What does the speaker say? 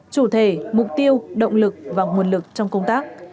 chủ thể mục tiêu động lực và nguồn lực trong công tác